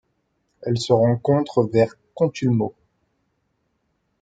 Elle se rencontre vers Contulmo.